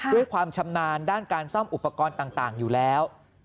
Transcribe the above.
ความชำนาญด้านการซ่อมอุปกรณ์ต่างอยู่แล้ว